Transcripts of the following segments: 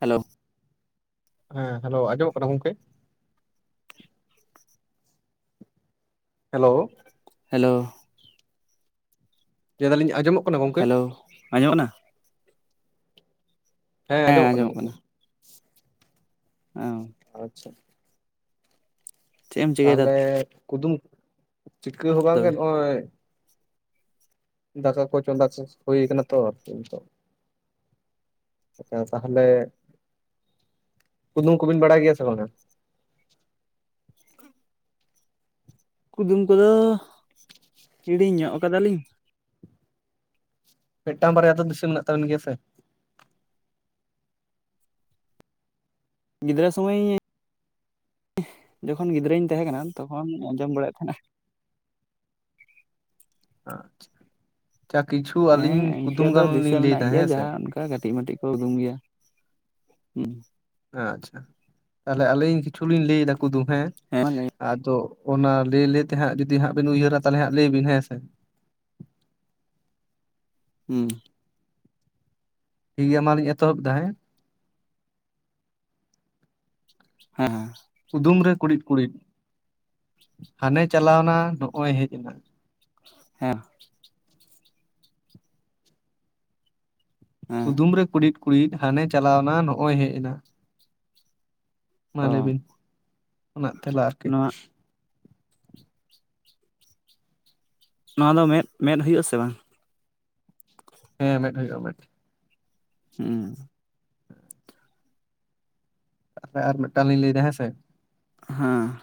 Hello ᱦᱮᱸ hello ᱟᱸᱡᱚᱢᱚᱜ ᱠᱟᱱᱟ ᱜᱚᱝᱠᱮ ᱦᱮᱞᱳ ᱦᱮᱞᱳ ᱞᱟᱹᱭ ᱫᱟᱞᱤᱧ ᱟᱡᱚᱢᱚᱜ ᱦᱮᱞᱳ᱾ ᱟᱸᱡᱚᱢᱚᱜ ᱠᱟᱱᱟ? ᱦᱮ ᱟᱸᱡᱚᱢᱚᱜ ᱠᱟᱱᱟ᱾ ᱚ᱾ ᱟᱪᱪᱷᱟ᱾ ᱪᱮᱫ ᱮᱢ ᱪᱤᱠᱟᱹᱭᱮᱫᱟ ᱛᱟᱦᱚᱞᱮ ᱠᱩᱫᱩᱢ ᱪᱤᱠᱟᱹ ᱦᱚᱸ ᱵᱟᱝ ᱜᱮ ᱛᱚᱵᱮ ᱱᱚᱜᱼᱚᱭ᱾ ᱫᱟᱠᱟ ᱠᱚ ᱪᱚᱸᱫᱟ ᱦᱩᱭ ᱠᱟᱱᱟ ᱛᱚ ᱱᱤᱛᱚᱜ᱾ ᱟᱫᱚ ᱛᱟᱦᱚᱞᱮ ᱠᱩᱫᱩᱢ ᱠᱚᱵᱤᱱ ᱵᱟᱲᱟᱭ ᱜᱮᱭᱟ ᱥᱮ ᱵᱟᱝᱼᱟ? ᱠᱩᱫᱩᱢ ᱠᱚᱫᱚ ᱦᱤᱲᱤᱧ ᱧᱚᱜ ᱟᱠᱟᱫᱟᱞᱤᱧ᱾ ᱢᱤᱫᱴᱟᱝ ᱵᱟᱨᱭᱟ ᱫᱚ ᱫᱤᱥᱟᱹ ᱢᱮᱱᱟᱜ ᱛᱟᱵᱚᱱ ᱜᱮᱭᱟ ᱥᱮ? ᱜᱤᱫᱽᱨᱟᱹ ᱥᱩᱢᱟᱹᱭ ᱡᱚᱠᱷᱚᱱ ᱜᱤᱫᱽᱨᱟᱹᱧ ᱛᱟᱦᱮ ᱠᱟᱱᱟ ᱛᱚᱠᱷᱚᱱ ᱟᱸᱡᱚᱢ ᱵᱟᱲᱟᱭᱮᱫ ᱛᱟᱦᱮᱱᱟ᱾ ᱟᱪᱪᱷᱟ ᱠᱤᱪᱷᱩ ᱦᱮᱸ ᱟᱹᱞᱤᱧ ᱤᱱᱠᱟᱹ ᱠᱩᱫᱩᱢ ᱫᱚ ᱜᱟᱱ ᱫᱤᱥᱟᱹ ᱞᱤᱧ ᱞᱟᱹᱭ ᱢᱮᱱᱟᱜ ᱫᱟ ᱜᱮᱭᱟ ᱦᱮᱸ ᱥᱮ? ᱡᱟᱦᱟᱸ ᱚᱱᱠᱟ ᱠᱟᱹᱴᱤᱡ ᱢᱟᱴᱤᱡ ᱠᱚ ᱩᱫᱩᱢ ᱜᱮ᱾ ᱦᱮᱸ ᱟᱪᱪᱷᱟ᱾ ᱛᱟᱦᱚᱞᱮ ᱟᱹᱞᱤᱧ ᱠᱤᱪᱷᱩᱞᱤᱧ ᱞᱟᱹᱭ ᱮᱫᱟ ᱠᱩᱫᱩᱢ ᱦᱮᱸ? ᱦᱮᱸ ᱢᱟ ᱞᱟᱹᱭ ᱟᱫᱚ ᱚᱱᱟ ᱞᱟᱹᱭ ᱞᱟᱹᱭ ᱛᱮᱦᱟᱸᱜ ᱡᱩᱫᱤ ᱦᱟᱸᱜ ᱵᱤᱱ ᱩᱭᱦᱟᱹᱨᱟ ᱛᱟᱦᱚᱞᱮ ᱦᱟᱸᱜ ᱞᱟᱹᱭ ᱵᱤᱱ ᱦᱮᱸ ᱥᱮ᱾ ᱦᱩᱸ᱾ ᱴᱷᱤᱠ ᱜᱮᱭᱟ ᱢᱟᱞᱤᱧ ᱮᱛᱚᱦᱚᱵ ᱫᱟ ᱦᱮᱸ? ᱦᱮᱸ ᱦᱮᱸ᱾ ᱠᱩᱫᱩᱢ ᱨᱮ ᱠᱩᱲᱤᱫ ᱠᱩᱲᱤᱫ ᱦᱟᱱᱮ ᱪᱟᱞᱟᱣ ᱮᱱᱟ ᱱᱚᱜᱚᱭ ᱦᱮᱡ ᱮᱱᱟ᱾ ᱦᱮᱸ᱾ ᱦᱮᱸ ᱠᱩᱫᱩᱢ ᱨᱮ ᱠᱩᱲᱤᱫ ᱠᱩᱲᱤᱫ ᱦᱟᱱᱮ ᱪᱟᱞᱟᱣ ᱮᱱᱟ ᱱᱚᱜᱚᱭ ᱦᱮᱡ ᱮᱱᱟ᱾ ᱢᱟ ᱚ ᱞᱟᱹᱭᱵᱤᱱ ᱚᱱᱟᱜ ᱛᱮᱞᱟ ᱟᱨᱠᱤ᱾ ᱱᱚᱣᱟ ᱱᱚᱣᱟ ᱫᱚ ᱢᱮᱫ, ᱢᱮᱫ ᱦᱩᱭᱩᱜᱼᱟ ᱥᱮ ᱵᱟᱝ? ᱦᱮᱸ ᱢᱮᱫ ᱦᱩᱭᱩᱜᱼᱟ ᱢᱮᱫ᱾ ᱦᱩᱸ᱾ ᱟᱨ ᱢᱤᱜᱴᱟᱝ ᱞᱤᱧ ᱞᱟᱹᱭᱮᱫᱟ ᱦᱮᱸᱥᱮ? ᱦᱮᱸ᱾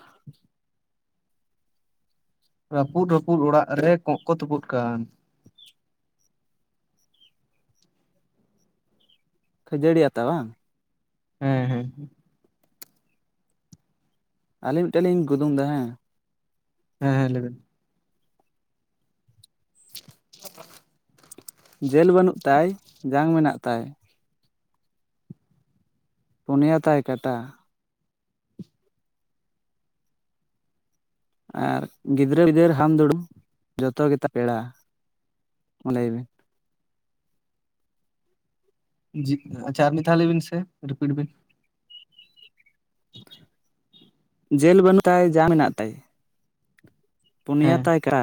ᱨᱟᱹᱯᱩᱫ ᱨᱟᱹᱯᱩᱫ ᱚᱲᱟᱜ ᱨᱮ ᱠᱚᱸᱜ ᱠᱚ ᱛᱩᱯᱩᱫ ᱠᱟᱱ᱾ ᱠᱷᱟᱹᱡᱟᱹᱲᱤ ᱟᱛᱟ ᱵᱟᱝ? ᱦᱮᱸ ᱦᱮᱸ᱾ ᱟᱹᱞᱤᱧ ᱢᱤᱜᱴᱟᱝ ᱞᱤᱧ ᱠᱩᱫᱩᱢ ᱫᱟ ᱦᱮᱸ? ᱦᱮᱸ ᱦᱮᱸ ᱞᱟᱹᱭᱵᱮᱱ᱾ [inaudible] ᱡᱮᱞ ᱵᱟᱹᱱᱩᱜ ᱛᱟᱭ, ᱡᱟᱝ ᱢᱮᱱᱟᱜ ᱛᱟᱭ, ᱯᱩᱱᱭᱟ ᱛᱟᱭ ᱠᱟᱴᱟ᱾ ᱟᱨ ᱜᱤᱫᱽᱨᱟᱹᱼ ᱯᱤᱫᱟᱹᱨ ᱦᱟᱢᱼᱫᱩᱲᱩᱢ ᱡᱚᱛᱚ ᱜᱮᱛᱟᱭ ᱯᱮᱲᱟ ᱢᱟ ᱞᱟᱹᱭ ᱢᱮ᱾ ᱟᱪᱪᱷᱟ ᱟᱨ ᱢᱤᱫ ᱫᱷᱟᱣ ᱞᱟᱹᱭᱵᱤᱱ ᱥᱮ ᱨᱤᱯᱤᱴ ᱵᱤᱱ᱾ ᱡᱮᱞ ᱵᱟᱹᱱᱩᱜ ᱛᱟᱭ ᱡᱟᱝ ᱢᱮᱱᱟᱜ ᱛᱟᱭ᱾ ᱯᱩᱱᱭᱟ ᱦᱮᱸ ᱛᱟᱭ ᱠᱟ᱾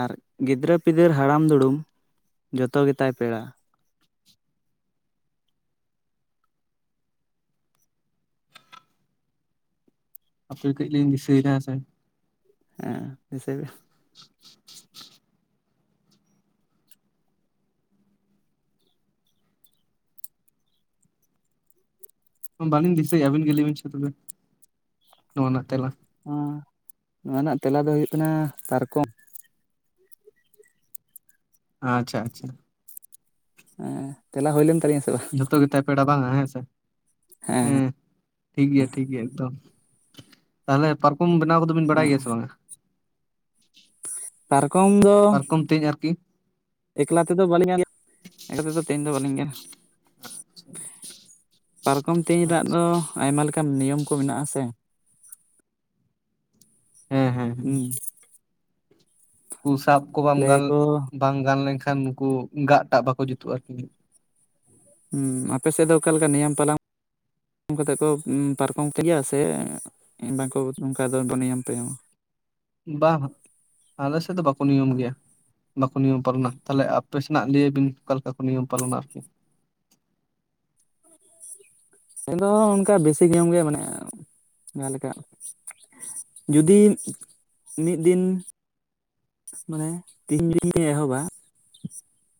ᱟᱨ ᱜᱤᱫᱽᱨᱟᱹ ᱯᱤᱫᱟᱹᱨ ᱦᱟᱲᱟᱢᱼ ᱫᱩᱲᱩᱢ ᱡᱚᱛᱚ ᱜᱮᱛᱟᱭ ᱯᱮᱲᱟ᱾ ᱦᱟᱯᱮ ᱠᱟᱹᱡᱞᱤᱧ ᱫᱤᱥᱟᱹᱭᱫᱟ ᱦᱮᱸᱥᱮ᱾ ᱦᱮᱸ ᱫᱤᱥᱟᱹᱭ ᱵᱤᱱ᱾ [inaudible] ᱵᱟᱹᱞᱤᱧ ᱫᱤᱥᱟᱹᱭᱮᱜᱼᱟ ᱟᱹᱵᱤᱱ ᱜᱮ ᱞᱟᱹᱭ ᱵᱤᱱ ᱥᱮ ᱱᱚᱣᱟᱱᱟᱜ ᱛᱮᱞᱟ᱾ ᱚᱸ ᱱᱚᱣᱟ ᱨᱮᱱᱟᱜ ᱛᱮᱞᱟ ᱫᱚ ᱦᱩᱭᱩᱜ ᱠᱟᱱᱟ ᱯᱟᱨᱠᱚᱢ᱾ ᱟᱪᱪᱷᱟ ᱟᱪᱪᱷᱟ᱾ ᱦᱮᱸ ᱛᱮᱞᱟ ᱦᱩᱭᱞᱮᱱ ᱛᱟᱞᱤᱧᱟ ᱥᱮ ᱵᱟᱝ? ᱡᱷᱚᱛᱚ ᱜᱮᱛᱟᱭ ᱯᱮᱲᱟ ᱵᱟᱝᱟ ᱦᱮᱸᱥᱮ ᱦᱮᱸ ᱴᱷᱤᱠ ᱜᱮᱭᱟ ᱴᱷᱤᱠ ᱜᱮᱭᱟ ᱮᱠᱫᱚᱢ᱾ ᱛᱟᱦᱚᱞᱮ ᱯᱟᱨᱠᱚᱢ ᱵᱮᱱᱟᱣ ᱠᱚᱫᱚ ᱵᱤᱱ ᱵᱟᱲᱟᱭ ᱜᱮᱭᱟ ᱥᱮ ᱵᱟᱝᱟ? ᱯᱟᱨᱠᱚᱢ ᱫᱚ ᱯᱟᱨᱠᱚᱢ ᱛᱮᱧ ᱟᱨᱠᱤ ᱮᱠᱞᱟ ᱛᱮᱫᱚ ᱵᱟᱹᱞᱤᱧ [inaudible] ᱮᱠᱞᱟ ᱛᱮᱫᱚ ᱛᱮᱦᱮᱧ ᱫᱚ ᱵᱟᱹᱞᱤᱧ [inaudible] ᱯᱟᱨᱠᱚᱢ ᱛᱮᱧ ᱨᱮᱱᱟᱜ ᱫᱚ ᱟᱭᱢᱟ ᱞᱮᱠᱟᱱ ᱱᱤᱭᱚᱢ ᱠᱚ ᱢᱮᱱᱟᱜᱼᱟ ᱥᱮ ᱦᱮᱸ ᱦᱮᱸ ᱦᱮᱸ ᱦᱩᱸ ᱩᱱᱠᱩ ᱥᱟᱵ ᱠᱚ ᱵᱟᱢ ᱜᱟᱱ ᱞᱟᱹᱭᱟᱠᱚ ᱵᱟᱝ ᱜᱟᱱ ᱞᱮᱱᱠᱷᱟᱱ ᱩᱱᱠᱩ ᱜᱟᱜᱴᱟᱜ ᱵᱟᱠᱚ ᱡᱩᱛᱩᱜᱼᱟ ᱟᱨᱠᱤ ᱦᱩᱸ ᱟᱯᱮᱥᱮᱫ ᱫᱚ ᱚᱠᱟᱞᱮᱠᱟ ᱱᱤᱭᱚᱢ ᱯᱟᱞᱟᱝ [inaudible] ᱯᱟᱨᱠᱚᱢ [inaudible] ᱥᱮ ᱵᱟᱝᱠᱚ ᱱᱚᱝᱠᱟ ᱫᱚ ᱵᱚᱱᱮ ᱧᱟᱢ [inaudible] ᱵᱟᱝ ᱟᱞᱮ ᱥᱮᱫ ᱫᱚ ᱵᱟᱠᱚ ᱱᱤᱭᱚᱢ ᱜᱮᱭᱟ ᱵᱟᱠᱚ ᱱᱤᱭᱚᱢ ᱯᱟᱞᱚᱱᱟ᱾ ᱛᱟᱦᱚᱞᱮ ᱟᱯᱮ ᱥᱮᱱᱟᱜ ᱞᱟᱹᱭ ᱵᱤᱱ ᱚᱠᱟ ᱞᱮᱠᱟ ᱠᱚ ᱱᱤᱭᱚᱢ ᱯᱟᱞᱚᱱᱟ ᱟᱨ ᱠᱤ ᱾ ᱟᱫᱚ ᱚᱱᱠᱟ [unintelligible] ᱵᱮᱥᱤ ᱜᱮᱭᱟᱢ ᱜᱮ, ᱢᱟᱱᱮ ᱡᱟᱦᱟᱸ ᱞᱮᱠᱟ ᱡᱩᱫᱤ ᱢᱤᱫ ᱫᱤᱱ ᱢᱟᱱᱮ ᱛᱤᱦᱤᱧ ᱜᱮ [unintelligible] ᱮᱦᱚᱵᱟ᱾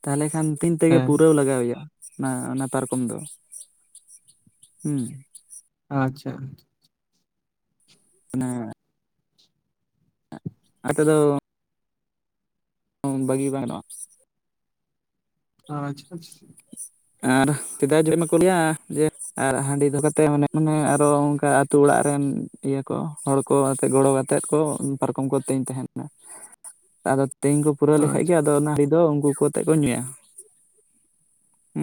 ᱛᱟᱦᱚᱞᱮ ᱠᱷᱟᱱ ᱛᱤᱱ ᱛᱮᱜᱮ ᱦᱮᱸ ᱯᱩᱨᱟᱹᱣ ᱞᱟᱜᱟᱣ ᱮᱭᱟ᱾ ᱚᱱᱟ ᱚᱱᱟ ᱯᱟᱨᱠᱚᱢ ᱫᱚ᱾ ᱦᱩᱸ ᱟᱪᱪᱷᱟ ᱾ ᱚᱱᱮ [inaudible] ᱫᱚ ᱵᱟᱜᱤ ᱵᱟᱝ ᱜᱟᱱᱚᱜᱼᱟ᱾ ᱟᱪᱪᱷᱟ ᱟᱪᱪᱷᱟ᱾ ᱟᱨ ᱥᱮᱫᱟᱭ ᱡᱩᱫᱤ [inaudible] ᱢᱟᱠᱚ ᱞᱟᱹᱭᱟ ᱡᱮ ᱟᱨ ᱦᱟᱺᱰᱤ ᱫᱚᱦᱚ ᱠᱟᱛᱮ ᱢᱟᱱᱮ ᱟᱨᱦᱚᱸ ᱚᱱᱠᱟ ᱟᱹᱛᱩ ᱚᱲᱟᱜ ᱨᱮᱱ ᱤᱭᱟᱹ ᱠᱚ ᱦᱚᱲ ᱠᱚ ᱟᱛᱮᱫ ᱠᱚ ᱜᱚᱲᱚ ᱟᱛᱮᱫ ᱠᱚ ᱯᱟᱨᱠᱚᱢ ᱠᱚᱱᱛᱤᱧ ᱛᱟᱦᱮᱱᱟ᱾ ᱟᱫᱚ ᱛᱮᱧ ᱠᱚ ᱯᱩᱨᱟᱹᱣ ᱞᱮᱠᱷᱟᱡ ᱟᱪᱪᱷᱟ ᱜᱮ᱾ ᱟᱫᱚ ᱚᱱᱟ ᱦᱟᱺᱰᱤ ᱫᱚ ᱩᱱᱠᱩ ᱠᱚ ᱟᱛᱮ ᱠᱚ ᱧᱩᱭᱟ᱾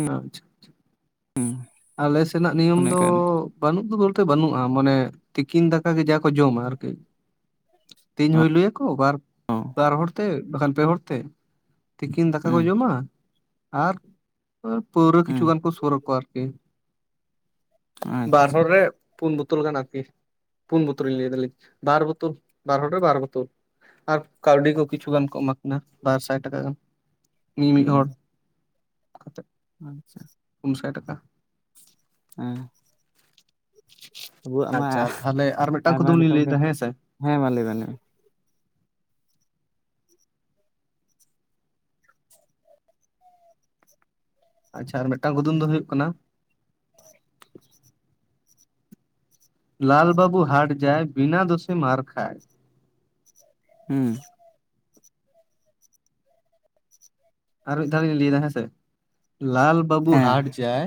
ᱟᱪᱪᱷᱟ ᱟᱞᱮ ᱥᱮᱱᱟᱜ ᱱᱤᱭᱚᱢ ᱫᱚ ᱚᱱᱮᱠᱟᱱ ᱵᱟᱹᱱᱩᱜ ᱫᱚ ᱵᱚᱞᱛᱮ ᱵᱟᱹᱱᱩᱜᱼᱟ᱾ ᱢᱟᱱᱮ ᱛᱤᱠᱤᱱ ᱫᱟᱠᱟ ᱜᱮ ᱡᱟ ᱠᱚ ᱡᱚᱢᱟ ᱟᱨ ᱠᱤ ᱾ ᱛᱮᱧ ᱦᱩᱭᱞᱩᱭᱟᱠᱚ ᱵᱟᱨ ᱚ [inaudible] ᱵᱟᱨ ᱦᱚᱲ ᱛᱮ ᱵᱟᱠᱷᱟᱱ ᱯᱮ ᱦᱚᱲ ᱛᱮ, ᱛᱤᱠᱤᱱ ᱫᱟᱠᱟ ᱠᱚ ᱦᱩᱸ ᱡᱚᱢ-ᱟ᱾ ᱟᱨ ᱯᱟᱹᱣᱨᱟᱹ ᱠᱤᱪᱷᱩ ᱦᱩᱸ ᱜᱟᱱ ᱠᱚ ᱥᱳᱨ ᱟᱠᱚᱣᱟ ᱟᱨ ᱠᱤ᱾ ᱟᱪᱪᱷᱟ ᱵᱟᱨ ᱟᱪᱪᱷᱟ ᱦᱚᱲ ᱨᱮ ᱯᱩᱱ ᱵᱳᱛᱚᱞ ᱜᱟᱱ ᱟᱨ ᱠᱤ ᱾ ᱯᱩᱱ ᱵᱳᱛᱚᱨ [unintelligible] ᱞᱤᱧ ᱞᱟᱹᱭ ᱫᱟᱞᱤᱧ, ᱵᱟᱨ ᱵᱳᱛᱚᱨ [unintelligible] ᱵᱟᱨ ᱦᱚᱲ ᱨᱮ ᱵᱟᱨ ᱵᱳᱛᱚᱨ᱾ [unintelligible] ᱟᱨ ᱠᱟᱹᱣᱰᱤ ᱠᱚ ᱠᱤᱪᱷᱩ ᱜᱟᱱ ᱠᱚ ᱮᱢᱟ ᱠᱤᱱᱟ᱾ ᱵᱟᱨ ᱥᱟᱭ ᱴᱟᱠᱟ ᱜᱟᱱ᱾ ᱢᱤ ᱢᱤᱫ ᱦᱚᱲ, ᱦᱩᱸ ᱠᱟᱛᱮ ᱟᱪᱪᱷᱟ ᱯᱩᱱ ᱥᱟᱭ ᱴᱟᱠᱟ ᱾ ᱦᱮᱸ ᱟᱵᱩᱣᱟᱜ ᱢᱟ ᱟᱪᱪᱷᱟ ᱛᱟᱦᱚᱞᱮ ᱟᱨ ᱢᱤᱫᱴᱟᱝ ᱟᱭᱢᱟ ᱠᱩᱫᱩᱢ ᱞᱤᱧ ᱨᱚᱠᱚᱢ ᱞᱟᱹᱭ ᱜᱮ, ᱮᱫᱟ ᱦᱮᱸ ᱥᱮ ᱦᱮᱸ ᱢᱟ ᱞᱟᱹᱭ ᱢᱮ ᱞᱟᱹᱭ ᱢᱮ ᱾ ᱟᱪᱪᱷᱟ ᱟᱨ ᱢᱤᱫᱴᱟᱝ ᱠᱩᱫᱩᱢ ᱫᱚ ᱦᱩᱭᱩᱜ ᱠᱟᱱᱟ ᱾ ᱞᱟᱞ ᱵᱟᱹᱵᱩ ᱦᱟᱴ ᱡᱟᱭ, ᱵᱤᱱᱟ ᱫᱳᱥᱮ ᱢᱟᱨ ᱠᱷᱟᱭ᱾ ᱦᱩᱸ ᱟᱨ ᱢᱤᱫ ᱫᱷᱟᱣ ᱞᱤᱧ ᱞᱟᱹᱭ ᱫᱟ ᱦᱮᱸ ᱥᱮ, ᱞᱟᱞ ᱵᱟᱹᱵᱩ ᱦᱮᱸ ᱦᱟᱴ ᱡᱟᱭ,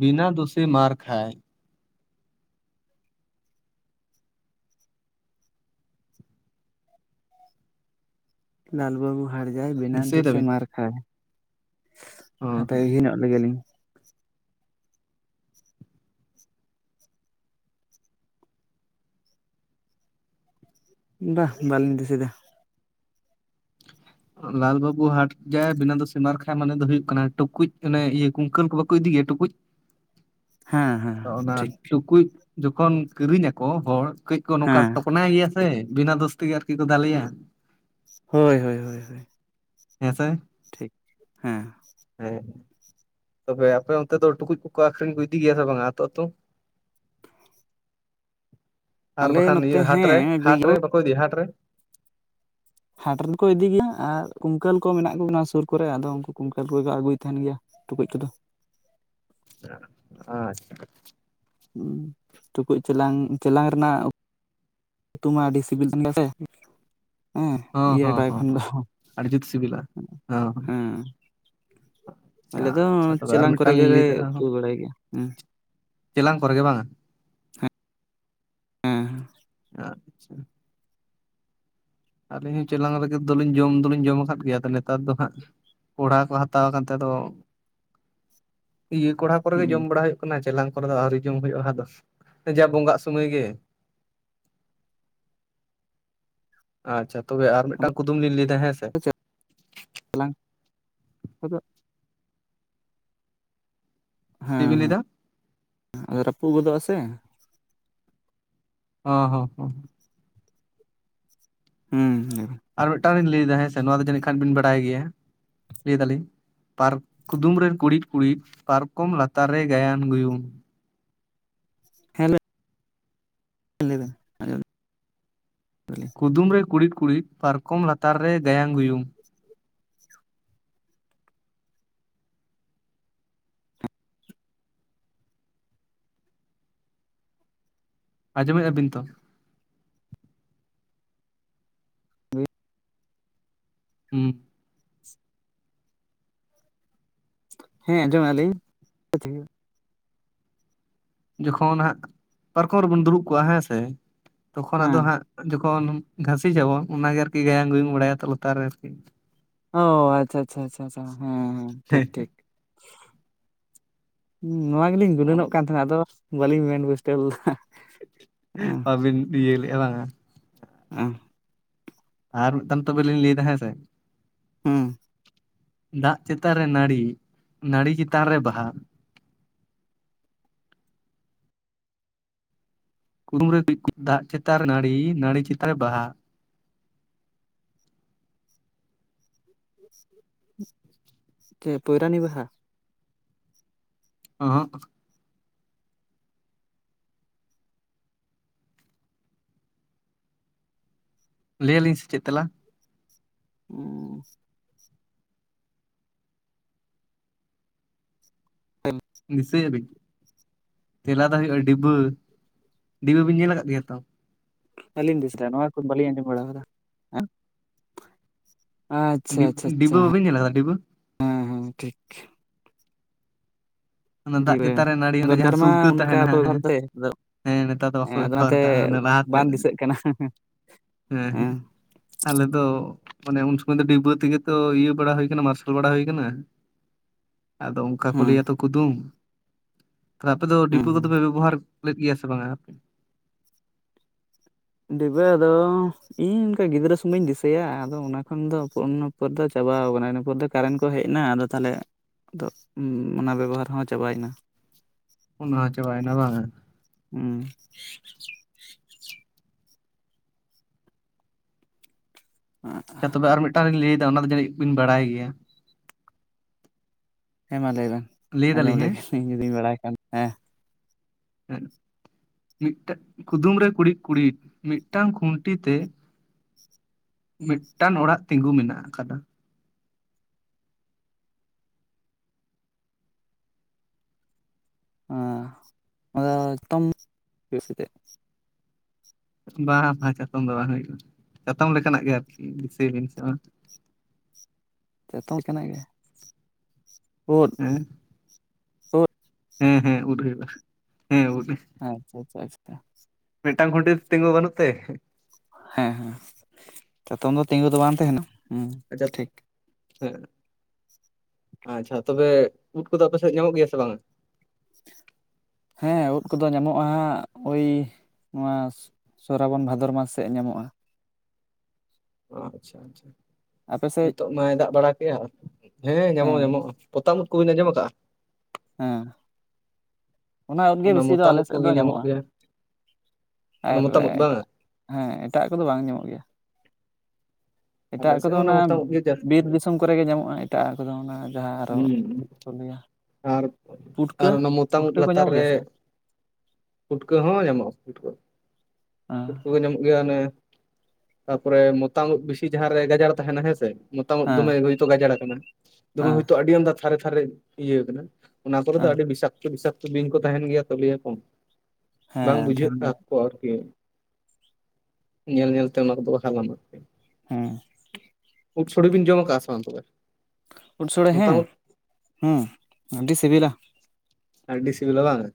ᱵᱤᱱᱟ ᱫᱳᱥᱮ ᱢᱟᱨ ᱠᱷᱟᱭ᱾ ᱞᱟᱞ ᱵᱟᱹᱵᱩ ᱦᱟᱴ ᱡᱟᱭ ᱵᱤᱱᱟ ᱫᱤᱥᱟᱹᱭ ᱫᱳᱥᱮ ᱫᱟᱵᱤᱱ ᱢᱟᱨ ᱠᱷᱟᱭ ᱾ ᱦᱚᱸ ᱦᱟᱯᱮ ᱦᱚᱜ [inaudible] ᱞᱟᱹᱭ ᱞᱮᱜᱮ ᱞᱤᱧ᱾ ᱵᱟ ᱵᱟᱞᱤᱧ ᱫᱤᱥᱟᱹᱭ ᱫᱟ ᱾ ᱞᱟᱞ ᱵᱟᱹᱵᱩ ᱦᱟᱴ ᱡᱟᱭ, ᱵᱤᱱᱟ ᱫᱳᱥᱮ ᱢᱟᱨ ᱠᱷᱟᱭ ᱾ ᱢᱟᱱᱮ ᱫᱚ ᱦᱩᱭᱩᱜ ᱠᱟᱱᱟ ᱴᱩᱠᱩᱡ ᱚᱱᱮ ᱤᱭᱟᱹ ᱠᱩᱝᱠᱟᱹ ᱠᱚ ᱵᱟᱠᱚ ᱴᱩᱠᱩ ᱠᱚ ᱤᱫᱤ ᱜᱮᱭᱟ ᱴᱩᱠᱩᱡ᱾ ᱦᱮᱸ ᱦᱮᱸ ᱟᱫᱚ ᱚᱱᱟ ᱴᱷᱤᱠ ᱴᱩᱠᱩᱡ ᱡᱚᱠᱷᱚᱱ ᱠᱤᱨᱤᱧ ᱟᱠᱚ ᱦᱚᱲ, ᱠᱟᱹᱡ ᱠᱚ ᱱᱚᱝᱠᱟ ᱠᱚ ᱦᱮᱸ ᱴᱚᱠᱱᱟᱭ ᱜᱮᱭᱟ ᱥᱮ ᱵᱤᱱᱟ ᱫᱳᱥ ᱛᱮᱜᱮ ᱟᱨ ᱠᱤ ᱠᱚ ᱫᱟᱞᱮᱭᱟ᱾ ᱦᱳᱭ ᱦᱳᱭ ᱦᱳᱭ᱾ ᱦᱮᱸ ᱥᱮ, ᱴᱷᱤᱠ, ᱦᱮᱸ ᱾ ᱦᱮᱸ ᱛᱚᱵᱮ ᱟᱯᱮ ᱚᱱᱛᱮ ᱫᱚ ᱴᱩᱠᱩᱡ ᱠᱚᱠᱚ ᱟᱠᱷᱨᱤᱧ ᱠᱚ ᱤᱫᱤ ᱜᱮᱭᱟ ᱥᱮ ᱵᱟᱝ ᱟ ᱟᱛᱳ ᱟᱛᱳ? ᱟᱞᱮ ᱱᱚᱛᱮ ᱦᱮᱸ [inaudible] ᱠᱚ ᱤᱫᱤᱭᱟ ᱦᱟᱴᱨᱮ, ᱦᱟᱴ ᱨᱮᱫᱚ ᱠᱚ ᱤᱫᱤ ᱜᱮᱭᱟ᱾ ᱟᱨ ᱠᱩᱝᱠᱟᱹᱞ ᱠᱚ ᱢᱮᱱᱟᱜ ᱠᱚ ᱜᱮᱭᱟ ᱥᱩᱨ ᱠᱚᱨᱮ, ᱟᱫᱚ ᱩᱱᱠᱩ ᱠᱩᱝᱠᱟᱹᱞ ᱠᱚᱜᱮ ᱠᱚ ᱟᱹᱜᱩᱭ ᱛᱟᱦᱮᱱ ᱜᱮᱭᱟ᱾ ᱴᱩᱠᱩᱡ ᱠᱚᱫᱚ [unintelligible] ᱴᱩᱠᱩᱡ ᱪᱮᱞᱟᱝ ᱪᱮᱞᱟᱝ ᱨᱮᱱᱟᱜ ᱩᱛᱩ ᱢᱟ ᱟᱹᱰᱤ ᱥᱤᱵᱤᱞ ᱠᱟᱱ ᱜᱮᱭᱟ ᱥᱮ [unintelligible] ᱦᱮᱸ ᱦᱚᱸ ᱤᱭᱟᱹ ᱦᱚᱸ ᱯᱨᱟᱭ ᱠᱷᱚᱱ ᱫᱚ ᱦᱚᱸ ᱟᱹᱰᱤ ᱡᱩᱛ ᱥᱤᱵᱤᱞᱟ ᱦᱚᱸ ᱦᱮᱸ ᱟᱞᱮ ᱫᱚ ᱟᱪᱪᱷᱟ ᱟᱪᱪᱷᱟ ᱛᱚᱵᱮ ᱟᱨ ᱪᱮᱞᱟᱝ ᱠᱚᱨᱮ ᱢᱤᱫᱴᱟᱝ ᱞᱤᱧ ᱜᱮᱞᱮ ᱞᱟᱹᱭ ᱩᱛᱩ ᱮᱫᱟ ᱵᱟᱲᱟᱭ ᱜᱮᱭᱟ ᱦᱩᱸ‌᱾ ᱪᱮᱞᱟᱝ ᱠᱚᱨᱮ ᱜᱮ ᱵᱟᱝ-ᱟ? ᱦᱮᱸᱜ ᱮᱸ ᱟᱪᱪᱷᱟ ᱟᱹᱞᱤᱧ ᱪᱮᱞᱟᱝ ᱨᱮᱜᱮ ᱫᱚᱞᱤᱧ ᱡᱚᱢ ᱫᱚᱞᱤᱧ ᱡᱚᱢ ᱟᱠᱟᱫ ᱜᱮᱭᱟ᱾ ᱱᱮᱛᱟᱨ ᱫᱚ ᱦᱟᱸᱜ ᱠᱚᱲᱦᱟ ᱠᱚ ᱦᱟᱛᱟᱣ ᱠᱟᱛᱮ ᱫᱚ ᱤᱭᱟᱹ ᱠᱚᱲᱦᱟ ᱠᱚᱨᱮ ᱜᱮ ᱦᱮᱸ ᱡᱚᱢ ᱵᱟᱲᱟ ᱦᱩᱭᱩᱜ ᱠᱟᱱᱟ᱾ ᱪᱮᱞᱟᱝ ᱠᱚᱨᱮ ᱫᱚ ᱟᱹᱣᱨᱤ ᱡᱚᱢ ᱦᱩᱭᱩᱜᱼᱟ ᱦᱟᱫᱚ ᱡᱟ ᱵᱚᱸᱜᱟᱟᱜ ᱥᱩᱢᱟᱹᱭ ᱜᱮ᱾ ᱟᱪᱪᱷᱟ ᱛᱚᱵᱮ ᱟᱨ ᱟᱫᱚ ᱢᱤᱫᱴᱟᱝ ᱠᱩᱫᱩᱢ ᱞᱤᱧ ᱞᱟᱹᱭ ᱫᱟ ᱦᱮᱸ ᱥᱮ ᱾ ᱞᱟᱝ [unintelligible] ᱟᱫᱚ ᱪᱮᱫ ᱵᱤᱱ ᱞᱟᱹᱭᱮᱫᱟ? ᱟ ᱨᱟᱹᱯᱩᱜ ᱜᱚᱫᱚᱜᱼᱟ ᱥᱮ ᱾ ᱦᱚᱸ ᱦᱚᱸᱦᱚᱸ ᱦᱩᱸ ᱟᱨ ᱢᱤᱫᱴᱟᱝ ᱞᱤᱧ ᱞᱟᱹᱭ ᱫᱟ ᱦᱮᱸ ᱥᱮ ᱱᱚᱣᱟ ᱫᱚ ᱡᱟᱹᱱᱤᱡ ᱠᱷᱟᱱ ᱵᱤᱱ ᱵᱟᱰᱟᱭ ᱜᱮᱭᱟ᱾ ᱞᱟᱹᱭ ᱫᱟᱞᱤᱧ ᱯᱟᱨ ᱠᱩᱫᱩᱢ ᱨᱮ ᱠᱩᱲᱤᱫ ᱠᱩᱲᱤᱫ ᱯᱟᱨᱠᱚᱢ ᱞᱟᱛᱟᱨ ᱨᱮ ᱜᱟᱭᱟᱝ ᱜᱩᱭᱩᱝ᱾ ᱦᱮᱞᱳ ᱞᱟᱹᱭ ᱵᱮᱱ ᱟᱸᱡᱚᱢ ᱫᱟᱞᱤᱧ ᱠᱩᱫᱩᱢ ᱨᱮ ᱠᱩᱲᱤᱫ ᱠᱩᱲᱤᱫ ᱯᱟᱨᱠᱚᱢ ᱞᱟᱛᱟᱨ ᱨᱮ ᱜᱟᱭᱟᱝ ᱜᱩᱭᱩᱝ᱾ ᱟᱸᱡᱚᱢᱮᱫᱼᱟᱵᱤᱱ ᱛᱚ? ᱦᱳᱭ ᱦᱩᱸ [inaudible] ᱦᱮᱸ ᱟᱸᱡᱚᱢᱮᱫ ᱟᱞᱤᱧ [unintelligible] ᱡᱚᱠᱷᱚᱱ ᱦᱟᱸᱜ ᱯᱟᱨᱠᱚᱢ ᱨᱮᱵᱚᱱ ᱫᱩᱲᱩᱵ ᱠᱚᱜᱼᱟ ᱦᱮᱸ ᱥᱮ, ᱛᱚᱠᱷᱚᱱ ᱟᱫᱚ ᱦᱮᱸ ᱦᱟᱸᱜ ᱡᱚᱠᱷᱚᱱ ᱜᱷᱟᱥᱤᱡ ᱟᱵᱚᱱ ᱚᱱᱟᱜᱮ ᱟᱨᱠᱤ ᱜᱟᱭᱟᱝ ᱜᱩᱭᱩᱝ ᱵᱟᱲᱟᱭᱟ ᱛᱚ ᱞᱟᱛᱟᱨ ᱨᱮ ᱟᱨᱠᱤ᱾ ᱚ ᱟᱪᱪᱷᱟ ᱟᱪᱪᱷᱟ ᱟᱪᱪᱷᱟ ᱟᱪᱪᱷᱟ ᱦᱮᱸ ᱦᱮᱸ ᱴᱷᱤᱠ ᱴᱷᱤᱠ᱾ ᱱᱚᱣᱟ ᱜᱮᱞᱤᱧ ᱜᱩᱱᱟᱹᱱᱚᱜ ᱠᱟᱱ ᱛᱟᱦᱮᱱᱟ ᱟᱫᱚ ᱵᱟᱹᱞᱤᱧ ᱢᱮᱱ ᱯᱩᱥᱴᱟᱹᱣ ᱠᱟᱜ-ᱦᱟ ᱾ ᱟᱵᱤᱱ ᱤᱭᱟᱹ ᱞᱮᱜ-ᱟ ᱵᱟᱝ-ᱟ ᱟᱦ ᱟᱨ ᱢᱤᱫᱴᱟᱱ ᱛᱚᱵᱮ ᱞᱤᱧ ᱞᱟᱹᱭ ᱮᱫᱟ ᱦᱮᱸ ᱥᱮ᱾ ᱦᱩᱸ ᱫᱟᱜ ᱪᱮᱛᱟᱱ ᱨᱮ ᱱᱟᱹᱲᱤ, ᱱᱟᱹᱲᱤ ᱪᱮᱛᱟᱱ ᱨᱮ ᱵᱟᱦᱟ ᱾ ᱠᱩᱫᱩᱢ ᱨᱮ ᱠᱩᱲᱤᱫ ᱠᱩᱲᱤᱫ ᱫᱟᱜ ᱪᱮᱛᱟᱱ ᱨᱮ ᱱᱟᱹᱲᱤ, ᱱᱟᱹᱲᱤ ᱪᱮᱛᱟᱱ ᱨᱮ ᱵᱟᱦᱟ᱾ ᱪᱮᱫ ᱯᱚᱭᱨᱟᱱᱤ ᱵᱟᱦᱟ? ᱚᱸᱦᱚᱜ ᱞᱟᱹᱭ ᱟᱞᱤᱧ ᱥᱮ ᱪᱮᱫ ᱛᱮᱞᱟ? ᱚ [inaudible] ᱛ [inaudible] ᱫᱤᱥᱟᱹᱭᱮᱫᱟ ᱵᱤᱱ ᱛᱮᱞᱟ ᱫᱚ ᱦᱩᱭᱩᱜᱼᱟ ᱰᱤᱵᱟᱹ, ᱰᱤᱵᱟᱹ ᱵᱤᱱ ᱧᱮᱞ ᱟᱠᱟᱫ ᱜᱮᱭᱟ ᱛᱚ᱾ ᱟᱞᱤᱧ ᱛᱤᱥᱫᱚ ᱱᱚᱣᱟ ᱠᱚ ᱵᱟᱞᱤᱧ ᱟᱡᱚᱢ ᱵᱟᱲᱟ ᱠᱟᱫᱟ ᱾ [unintelligible] ᱟᱪᱪᱷᱟ ᱰᱤᱵ ᱟᱪᱪᱷᱟ ᱟᱪᱪᱷᱟ ᱰᱤᱵᱟᱹ ᱵᱟᱹᱵᱤᱱ ᱧᱮᱞ ᱟᱠᱟᱫᱟ ᱰᱤᱵᱟᱹ ᱦᱮᱸ ᱦᱮᱸ ᱴᱷᱤᱠ ᱾ ᱚᱱᱟ ᱡᱤ ᱫᱟᱜ ᱪᱮᱛᱟᱱ ᱨᱮ ᱱᱟᱹᱲᱤ, ᱟᱫᱚ ᱚᱱᱟ ᱱᱮᱛᱟᱨ ᱡᱟᱦᱟᱸ ᱢᱟ ᱥᱩᱞᱛᱟᱹ ᱛᱟᱦᱮᱱᱟ ᱚᱱᱠᱟ ᱠᱚ ᱦᱮᱸ ᱵᱮᱵᱚᱦᱟᱨ ᱦᱮᱸ ᱫᱟ ᱟᱫᱚ ᱾ ᱦᱮᱸ ᱱᱮᱛᱟᱨ ᱫᱚ ᱵᱟᱠᱚ ᱟᱫᱚ ᱵᱮᱵᱷᱟᱨ ᱚᱱᱟᱛᱮ ᱫᱟ ᱞᱟᱦᱟᱛᱮ ᱵᱟᱝ ᱫᱤᱥᱟᱹᱜ ᱠᱟᱱᱟ ᱦᱮᱸ ᱟᱞᱮ ᱫᱚ ᱢᱟᱱᱮ ᱩᱱ ᱥᱚᱢᱚᱭ ᱫᱚ ᱰᱤᱵᱟᱹ ᱛᱮᱜᱮ ᱛᱚ ᱤᱭᱟᱹ ᱵᱟᱲᱟ ᱦᱩᱭ ᱠᱟᱱᱟ ᱢᱟᱨᱥᱟᱞ ᱵᱟᱲᱟ ᱦᱩᱭᱩ ᱠᱟᱱᱟ ᱾ [inaudible] ᱟᱫᱚ ᱚᱱᱠᱟ ᱠᱚ ᱦᱩᱸ ᱞᱟᱹᱭᱟ ᱛᱚ ᱠᱩᱫᱩᱢ, ᱛᱟᱦᱮ ᱟᱯᱮ ᱫᱚ ᱰᱤᱵᱟᱹ ᱦᱩᱸ ᱠᱚᱫᱚ ᱯᱮ ᱵᱮᱵᱚᱦᱟᱨ ᱯᱟᱹᱞᱟᱹᱜ ᱜᱮᱭᱟ ᱥᱮ ᱵᱟᱝ᱾ ᱰᱤᱵᱟᱹ ᱫᱚ᱾ ᱤᱧ ᱚᱱᱠᱟ ᱜᱤᱫᱽᱨᱟᱹ ᱥᱚᱢᱚᱭᱟ ᱫᱤᱥᱟᱹᱭᱟ ᱟᱫᱚ ᱚᱱᱟ ᱠᱷᱚᱱ ᱫᱚ ᱯᱚᱨ ᱫᱚ ᱪᱟᱵᱟᱣ ᱟᱠᱟᱱᱟ ᱤᱱᱟᱹ ᱯᱚᱨ ᱫᱚ ᱠᱟᱨᱮᱱᱴ ᱠᱚ ᱦᱮᱡ ᱮᱱᱟ ᱟᱫᱚ ᱛᱟᱦᱚᱞᱮ ᱟ ᱚᱱᱟ ᱵᱮᱵᱚᱦᱟᱨ ᱦᱚᱸ ᱪᱟᱵᱟᱭᱮᱱᱟ᱾ ᱦ ᱚᱱᱟ ᱪᱟᱵᱟᱭᱮᱱᱟ ᱵᱟᱝ? ᱦᱩᱸ᱾ ᱛᱚᱵᱮ ᱟᱨ ᱢᱤᱫᱴᱟᱝᱤᱧ ᱞᱟᱹᱭᱮᱫᱟ ᱚᱱᱟ ᱫᱚ ᱡᱤᱡ ᱵᱤᱱ ᱵᱟᱲᱟᱭ ᱜᱮᱭᱟ᱾ ᱦᱮᱸ ᱢᱟ ᱞᱟᱹᱭᱵᱱ ᱞᱟᱹᱭ ᱟᱸᱡᱚᱢ ᱫᱟᱞᱤᱧ ᱞᱮ ᱦᱮᱸ ᱤᱧ ᱡᱩᱫᱤᱧ ᱵᱟᱲᱟᱭ ᱠᱷᱟᱱ ᱦᱮᱸ᱾ ᱦᱮ ᱢᱤᱫᱴᱟᱝ ᱠᱩᱫᱩᱢ ᱨᱮ ᱠᱩᱲᱤᱫ ᱠᱩᱲᱤᱫ ᱢᱤᱫᱴᱟᱝ ᱠᱷᱩᱱᱴᱤ ᱛᱮ ᱢᱤᱫᱴᱟᱝ ᱚᱲᱟᱜ ᱛᱤᱸᱜᱩ ᱢᱮᱱᱟᱜ ᱟᱠᱟᱫᱟ᱾ ᱛᱢᱥ ᱛᱮ [inaudible] ᱵᱟᱝ ᱵᱟᱝ ᱪᱟᱛᱚᱢ ᱫᱚ ᱵᱟᱝ ᱦᱩᱭᱩᱜᱼᱟ ᱪᱟᱛᱚᱢ ᱞᱮᱠᱟᱱᱟᱜ ᱜᱮ ᱟᱨᱠᱤ ᱫᱤᱥᱟᱹᱭ ᱵᱤᱱ ᱥᱮ ᱵᱟᱝ᱾ ᱡᱚᱛᱚ ᱠᱟᱱᱟ ᱜᱮ ᱴ [inaudible] ᱦᱮᱸ ᱦᱮᱸ ᱦᱮᱸ ᱩᱰᱟᱹᱭ ᱦᱮᱸ ᱩᱰ᱾ ᱟᱪᱪᱷᱟ ᱟᱪᱷᱟ ᱟᱪᱷᱟ᱾ ᱢᱤᱫᱴᱟᱝ ᱠᱷᱩᱱᱴᱤ ᱛᱤᱸᱜᱩ ᱵᱟᱹᱱᱩᱜ ᱛᱮ? ᱦᱮᱸ ᱦᱮᱸ ᱪᱟᱛᱚᱢ ᱫᱚ ᱛᱤᱸᱜᱩ ᱫᱚ ᱵᱟᱝ ᱛᱟᱦᱮᱱᱟ᱾ ᱦᱩᱸ ᱟᱡᱟᱜ ᱴᱷᱤᱠ ᱦᱮᱸ ᱟᱪᱪᱷᱟ ᱛᱚᱵᱮ ᱩᱫ ᱠᱚᱫᱚ ᱟᱯᱮ ᱥᱮᱫ ᱧᱟᱢᱚᱜ ᱜᱮᱭᱟ ᱥᱮ ᱵᱟᱝᱟ? ᱦᱮᱸ ᱩᱫ ᱠᱚᱫᱚ ᱧᱟᱢᱚᱜᱼᱟ ᱦᱜ ᱳᱭ ᱱᱚᱣᱟ ᱥᱨᱟᱵᱚᱱ ᱵᱷᱟᱫᱚᱨ ᱢᱟᱥ ᱥᱮᱫ ᱧᱟᱢᱚᱜᱼᱟ᱾ ᱟᱪᱪᱷᱟ ᱟᱪᱪᱷᱟ ᱟᱯᱮ ᱥᱮᱫ ᱱᱤᱛᱚᱜ ᱢᱟᱭ ᱫᱟᱜ ᱵᱟᱲᱟ ᱠᱮᱜᱼᱟ ᱦᱮᱸ ᱧᱟᱢᱚᱜ ᱧᱟᱢᱚᱜᱼᱟ᱾ ᱯᱚᱛᱟᱢ ᱩᱫ ᱠᱚᱵᱤᱱ ᱟᱸᱡᱚᱢ ᱟᱠᱟᱫᱼᱟ? ᱦᱮᱸ᱾ ᱚᱱᱟ ᱩᱫ ᱜᱮ ᱵᱮᱥᱤ ᱫᱚ ᱢᱚᱛᱟᱢ ᱟᱞᱮ ᱩᱫ ᱥᱮᱫ ᱫᱚ ᱠᱚᱜᱮ ᱧᱟᱢᱚᱜ ᱧᱟᱢᱚᱜᱼᱟ ᱜᱮᱭᱟ ᱚᱱᱟ ᱟᱨ ᱢᱚᱛᱟᱢ ᱩᱫ ᱮᱴᱟᱜ ᱵᱟᱝᱟ ᱦᱮᱸ ᱮᱴᱟᱜᱟᱜ ᱠᱚᱫᱚ ᱵᱟᱝ ᱧᱟᱢᱚᱜ ᱜᱮᱭᱟ ᱟᱞᱮ ᱮᱴᱟᱜᱟᱜ ᱥᱮᱫ ᱠᱚᱫᱚ ᱦᱚᱸ ᱚᱱᱟ ᱢᱚᱛᱟᱢ ᱩᱫ ᱜᱮ ᱡᱟᱹᱥᱛᱤ ᱵᱤᱨ ᱫᱤᱥᱚᱢ ᱠᱚ ᱠᱚᱨᱮᱜ ᱜᱮ ᱧᱟᱢᱚᱜᱼᱟ ᱮᱴᱟᱜ ᱠᱚᱫᱚ ᱚᱱᱟ ᱡᱟᱦᱟᱸ ᱟᱨᱚ ᱦᱩᱸ ᱪᱮᱫ ᱠᱚ ᱞᱟᱹᱭᱟ ᱯᱩᱴᱠᱟᱹ᱾ ᱯᱚᱛᱟᱢ ᱩᱫ ᱯᱩᱴᱠᱟᱹ ᱠᱚ ᱞᱟᱛᱟᱨ ᱧᱟᱢᱚᱜ ᱜᱮᱭᱟ ᱨᱮ ᱥᱮ ᱯᱩᱴᱠᱟᱹ ᱦᱚᱸ ᱧᱟᱢᱚᱜᱼᱟ ᱯᱩᱴᱠᱟᱹ᱾ ᱦᱮᱸ ᱯᱩᱴᱠᱟᱹ ᱠᱚᱜᱮ ᱧᱟᱢᱚᱜ ᱜᱮᱭᱟ ᱚᱱᱮ ᱛᱟᱯᱚᱨᱮ ᱢᱚᱛᱟᱢ ᱩᱫ ᱵᱤᱥᱤ ᱡᱟᱦᱟᱸᱨᱮ ᱜᱟᱡᱟᱲ ᱛᱟᱦᱮᱱᱟ ᱦᱮᱸᱥᱮ ᱢᱚᱛᱟᱢ ᱦᱮᱸ ᱫᱚᱢᱮ ᱦᱭᱛᱳ ᱜᱟᱡᱟᱲ ᱠᱟᱱᱟ ᱫᱚᱢᱮ ᱦᱮᱸ ᱦᱚᱭᱛᱳ ᱟᱹᱰᱤ ᱟᱢᱫᱟ ᱛᱷᱟᱨᱮ ᱛᱷᱟᱨᱮ ᱤᱭᱟᱹ ᱠᱟᱱᱟ᱾ ᱚᱱᱟ ᱠᱚᱨᱮ ᱫᱚ ᱦᱮᱸ ᱟᱹᱰᱤ ᱵᱤᱥᱟᱠᱛᱚ ᱵᱤᱥᱟᱠᱛᱚ ᱵᱤᱧ ᱠᱚ ᱛᱟᱦᱮᱱ ᱜᱮᱭᱟ ᱛᱚ ᱞᱟᱹᱭ ᱟᱠᱚ ᱵᱟᱝ ᱦᱮᱸ ᱵᱩᱡᱷᱟᱹᱜᱼᱟ᱾ ᱫᱷᱟᱹᱨᱤᱭᱟᱹ ᱟᱨ ᱤᱧ ᱧᱮᱞ ᱧᱮᱞ ᱛᱮ ᱚᱱᱟ ᱠᱚᱫᱚ ᱠᱚ ᱦᱟᱞᱟᱝᱼᱟ᱾ ᱦᱮᱸ᱾ ᱩᱫ ᱥᱚᱲᱮ ᱵᱤᱱ ᱡᱚᱢ ᱟᱠᱟᱫᱼᱟ ᱥᱮ ᱵᱟᱝ ᱛᱚᱵᱮ᱾ ᱩᱫ ᱥᱚᱲᱮ ᱦᱮᱸ ᱢᱚᱛᱟᱢ ᱩᱫ ᱦᱮᱸ ᱟᱹᱰᱤ ᱥᱤᱵᱤᱞᱟ᱾ ᱟᱹᱰᱤ ᱥᱤᱵᱤᱞᱟ ᱵᱟᱝ᱾